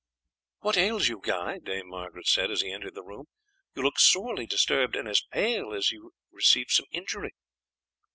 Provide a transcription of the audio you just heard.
"What ails you, Guy?" Dame Margaret said as he entered the room, "you look sorely disturbed, and as pale as if you had received some injury."